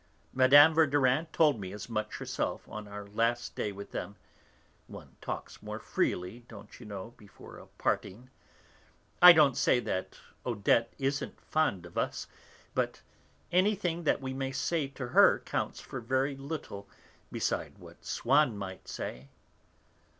Mme. Verdurin told me as much herself on our last day with them (one talks more freely, don't you know, before a parting), 'I don't say that Odette isn't fond of us, but anything that we may say to her counts for very little beside what Swann might say.'